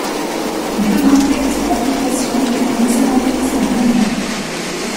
On peut montrer que cette application est un isomorphisme linéaire.